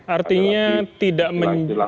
artinya tidak menjauhkan